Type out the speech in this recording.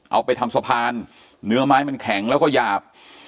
เอาไปทำสะพานเนื้อไม้มันแข็งแล้วก็หยาบ